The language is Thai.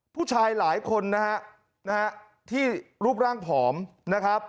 ผู้ชายหลายคนนะฮะที่รูปร่างผอมนะครับ